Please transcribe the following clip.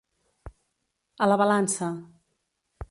A la balança.